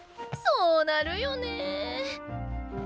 そうなるよね。